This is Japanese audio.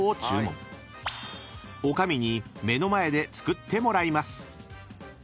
［女将に目の前で作ってもらいます］